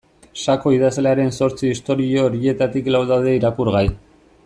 Sako idazlearen zortzi istorio horietarik lau daude irakurgai.